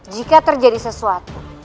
jika terjadi sesuatu